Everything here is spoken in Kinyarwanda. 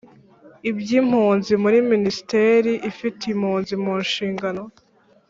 iby impunzi muri Minisiteri ifite impunzi mu nshingano